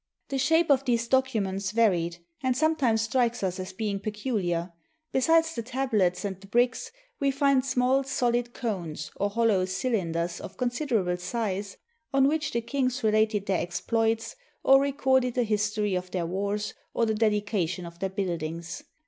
The shape of these documents varied, and sometimes strikes us as being peculiar: besides the tablets and the bricks, we find small solid cones, or hollow cylinders of considerable size, on which the kings related their exploits or recorded the history of their wars or the dedi cation of their buildings.